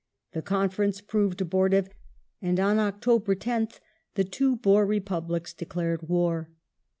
The conference proved abortive, and on October 10th the two Boer Republics declared war.